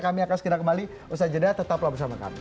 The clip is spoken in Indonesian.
kami akan sekian kembali ustaz jeda tetaplah bersama kami